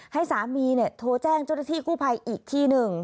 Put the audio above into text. ให้สามีโทรแจ้งจุดที่คู่ภัยอีกทีหนึ่ง